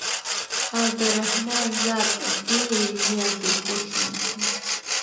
او د رحمن ذات ډېرې زياتي خوښې دي